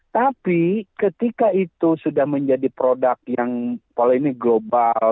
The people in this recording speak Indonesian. tapi ketika itu sudah menjadi produk yang polemik global